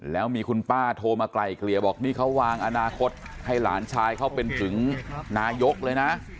แล้วมีคุณป้าโทรมาไกลเกลี่ยบอกนี่เขาวางอนาคตให้หลานชายเขาเป็นถึงนายกเลยนะ